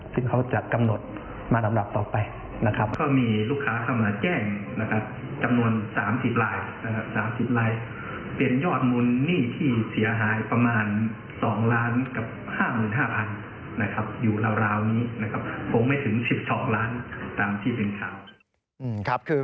พงไม่ถึง๑๒ล้านบาทตามที่เป็นข่าว